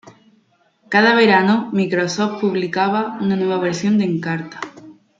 Cada verano, Microsoft publicaba una nueva versión de Encarta.